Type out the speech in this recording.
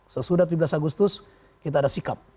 sesudah tujuh belas agustus kita ada sikap